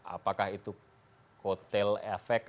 apakah itu kotel efek